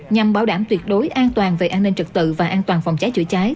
nhằm bảo đảm tuyệt đối an toàn về an ninh trật tự và an toàn phòng cháy chữa cháy